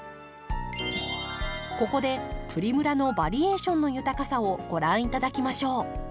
ここでプリムラのバリエーションの豊かさをご覧頂きましょう。